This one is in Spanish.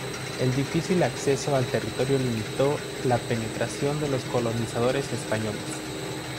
El difícil acceso al territorio limitó la penetración de los colonizadores españoles.